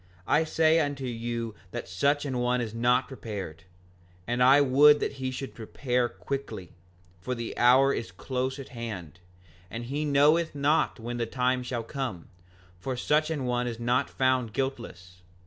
I say unto you that such an one is not prepared; and I would that he should prepare quickly, for the hour is close at hand, and he knoweth not when the time shall come; for such an one is not found guiltless.